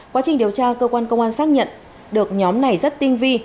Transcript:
quá trình điều tra cơ quan công an xác nhận được nhóm này rất tinh vi